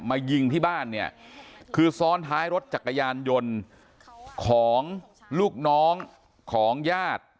มายิงที่บ้านเนี่ยคือซ้อนท้ายรถจักรยานยนต์ของลูกน้องของญาติ